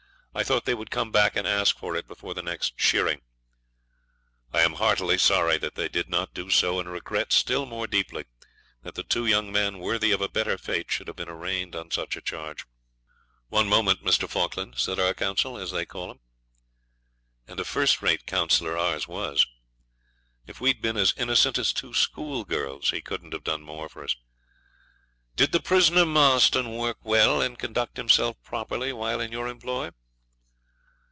I thought they would come back and ask for it before the next shearing. I am heartily sorry that they did not do so, and regret still more deeply that two young men worthy of a better fate should have been arraigned on such a charge.' 'One moment, Mr. Falkland,' says our counsel, as they call them, and a first rate counsellor ours was. If we'd been as innocent as two schoolgirls he couldn't have done more for us. 'Did the prisoner Marston work well and conduct himself properly while in your employ?'